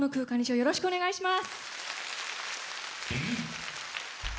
よろしくお願いします。